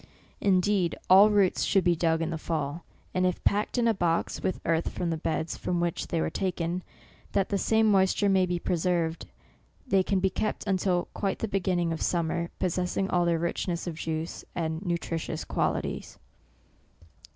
Indeed all roots should be dug in the fall, and if packed in a box, with earth from the beds from which they were taken, that the same moisture may be preserved, they can be kept until quite the beginning of summer, possessing all their richness of juice, and nutritious qualities."